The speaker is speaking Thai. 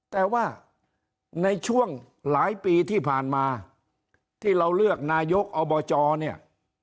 แต่ว่าในช่วงหลายปีที่ผ่านมาที่เราเลือกนายกอบจเนี่ย